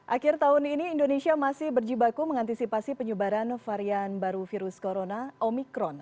akhir tahun ini indonesia masih berjibaku mengantisipasi penyebaran varian baru virus corona omikron